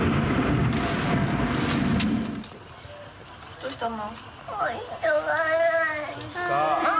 どうしたの？